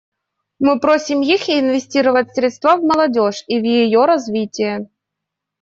Мы просим их инвестировать средства в молодежь и в ее развитие.